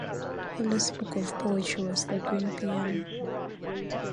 Her last book of poetry was "The Green Piano".